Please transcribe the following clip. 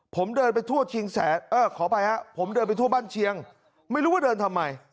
ผมเดินไปทั่วบ้านเชียงไม่รู้ว่าเดินทำไม